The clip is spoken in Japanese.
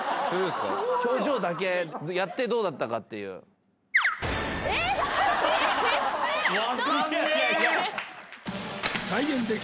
表情だけやってどうだったかってええどっち？